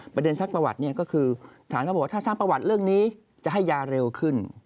ประเด็นซักประวัติก็คือถามเขาบอกว่าถ้าซักประวัติเรื่องนี้จะให้ยาเร็วขึ้น